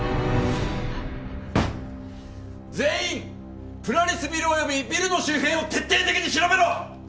全員プラリスビルおよびビルの周辺を徹底的に調べろ！